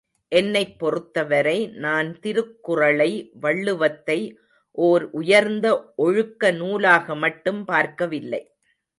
என்னைப் பொறுத்தவரை நான் திருக்குறளை வள்ளுவத்தை ஓர் உயர்ந்த ஒழுக்க நூலாகமட்டும் பார்க்க வில்லை.